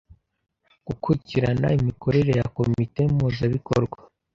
Gukurikirana imikorere ya Komite mpuzabikorwa,